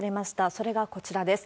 それがこちらです。